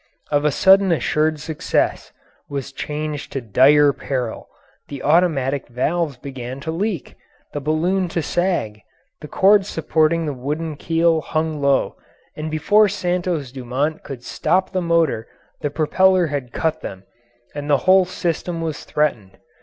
Of a sudden assured success was changed to dire peril; the automatic valves began to leak, the balloon to sag, the cords supporting the wooden keel hung low, and before Santos Dumont could stop the motor the propeller had cut them and the whole system was threatened.